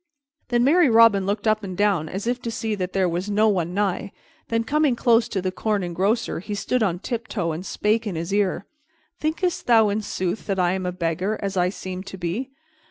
Then merry Robin looked up and down, as if to see that there was no one nigh, and then, coming close to the Corn Engrosser, he stood on tiptoe and spake in his ear, "Thinkest thou in sooth that I am a beggar, as I seem to be?